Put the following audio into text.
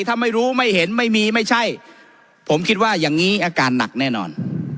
ถ้าไม่รู้ไม่เห็นไม่มีไม่ใช่ผมคิดว่าอย่างนี้อาการหนักแน่นอน